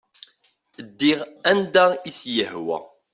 Ddiɣ anda i as-yehwa.